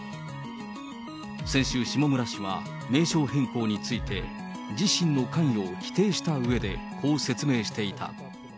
先週、下村氏は名称変更について、自身の関与を否定したうえでこう説明していた。